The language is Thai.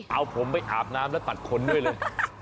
เอาผมไปอาบน้ำแล้วตัดคนด้วยเลย